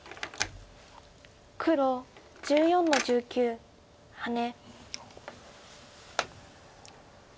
黒１４の十九ハネ。